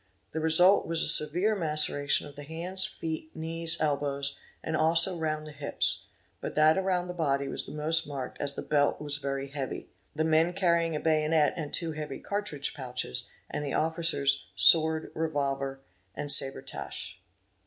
The result was a severe maceration of the hands, feet, knees, '| bows, and also round the hips, but that around the body was the most L 98 g2 a w 650 BODILY INJURIES marked as the belt was very heavy—the men carrying a bayonet and two heavy cartridge pouches, and the officers, sword, revolver, and sabretache.